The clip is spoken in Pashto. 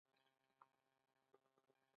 د عضلاتو د نیول کیدو لپاره کومه کڅوړه وکاروم؟